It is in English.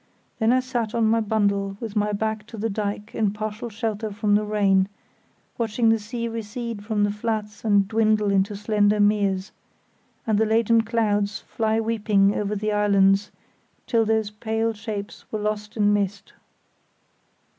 Then I sat on my bundle with my back to the dyke in partial shelter from the rain, watching the sea recede from the flats and dwindle into slender meres, and the laden clouds fly weeping over the islands till those pale shapes were lost in mist.